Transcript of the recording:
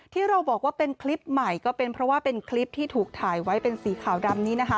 ที่เราบอกว่าเป็นคลิปใหม่ก็เป็นเพราะว่าเป็นคลิปที่ถูกถ่ายไว้เป็นสีขาวดำนี้นะคะ